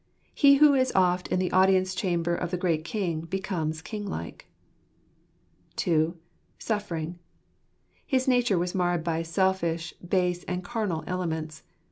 He who is oft in the audience chamber of the great King becomes kinglike. (2) Suffering. His nature was marred by selfish, base, and carnal elements.